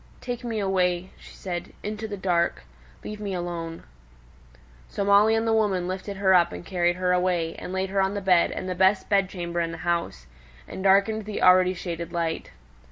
"Take me away," she said, "into the dark. Leave me alone." So Molly and the woman lifted her up and carried her away, and laid her on the bed, in the best bed chamber in the house, and darkened the already shaded light.